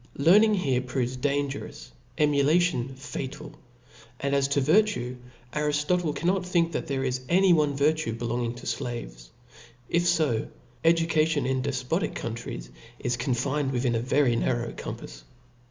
Learning here proves dangerous, emulation fatal ; and as to vir* tue, Ariftotle cannot think there is any one virtue belonging to flavcs (';•, if fo, education in defpotic W P^'* countries is confined within a very narrow compafs.